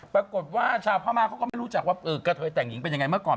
ปรากฏว่าชาวพม่าเขาก็ไม่รู้จักว่ากระเทยแต่งหญิงเป็นยังไงเมื่อก่อน